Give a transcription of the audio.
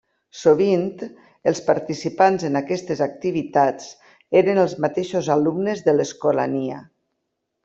Sovint els participants en aquestes activitats eren els mateixos alumnes de l’escolania.